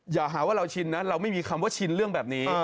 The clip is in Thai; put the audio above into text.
อย่าหาว่าเราชินนะเราไม่มีคำว่าชินเรื่องแบบนี้